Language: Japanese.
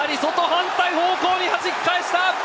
反対方向にはじき返した！